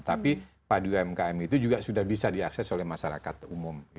tapi padu umkm itu juga sudah bisa diakses oleh masyarakat umum